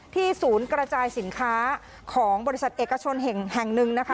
ศูนย์กระจายสินค้าของบริษัทเอกชนแห่งหนึ่งนะคะ